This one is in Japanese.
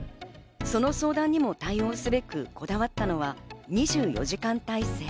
その相談にも対応すべくこだわったのは２４時間体制。